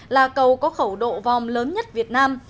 là cầu có khẩu độ vòm lớn nhất việt nam